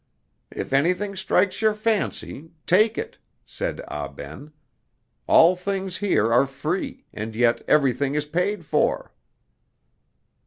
"If anything strikes your fancy, take it," said Ah Ben. "All things here are free, and yet everything is paid for."